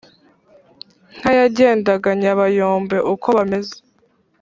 nka yagendaga nyabayombe uko bameze